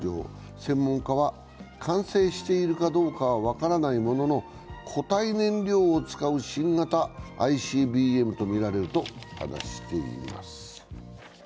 専門家は完成しているかどうかは分からないものの固体燃料を使う新型ＩＣＢＭとみられると話しています。